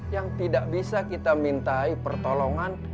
yang tidak bisa kita mintai pertolongan